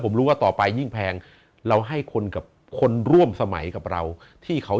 ผมรู้ว่าต่อไปยิ่งแพงเราให้คนกับคนร่วมสมัยกับเราที่เขา